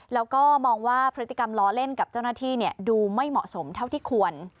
แล้วก็มองว่าพฤติกรรมล้อเล่นกับเจ้าหน้าที่ดูไม่เหมาะสมเท่าที่ควร